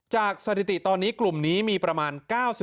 สถิติตอนนี้กลุ่มนี้มีประมาณ๙๐